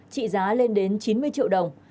trị giá lên đến chín mươi triệu đồng